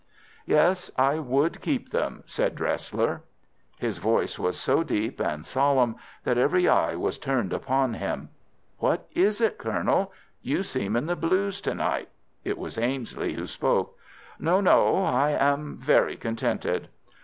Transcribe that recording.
"Yes, I would keep them," said Dresler. His voice was so deep and solemn that every eye was turned upon him. "What is it, Colonel? You seem in the blues to night." It was Ainslie who spoke. "No, no; I am very contented."